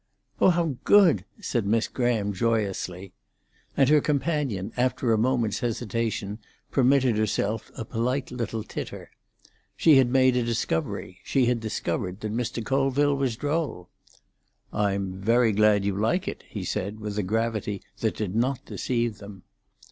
"Oh, how good!" said Miss Graham joyously. And her companion, after a moment's hesitation, permitted herself a polite little titter. She had made a discovery; she had discovered that Mr. Colville was droll. "I'm very glad you like it," he said, with a gravity that did not deceive them.